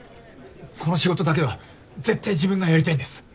この仕事だけは絶対自分がやりたいんです！